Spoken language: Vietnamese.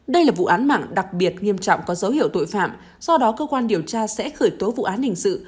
đây là vụ án mạng đặc biệt nghiêm trọng có dấu hiệu tội phạm do đó cơ quan điều tra sẽ khởi tố vụ án hình sự